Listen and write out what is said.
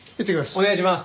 お願いします！